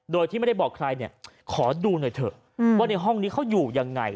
โดยที่ไม่ได้บอกใครเนี่ยขอดูหน่อยเถอะว่าในห้องนี้เขาอยู่ยังไง